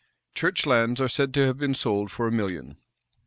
Church lands are said to have been sold for a million.